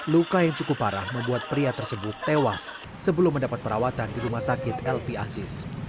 luka yang cukup parah membuat pria tersebut tewas sebelum mendapat perawatan di rumah sakit lp asis